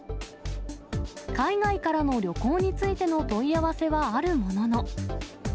海外からの旅行についての問い合わせはあるものの。